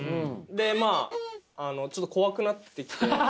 で、まあちょっと怖くなってきて。